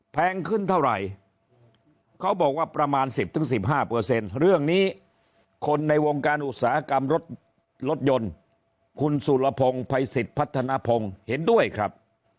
แพงขึ้นเท่าไหร่เขาบอกว่าประมาณ๑๐๑๕เรื่องนี้คนในวงการอุตสาหกรรมรถรถยนต์คุณสุรพงศ์ภัยสิทธิ์พัฒนภงเห็นด้วยครับ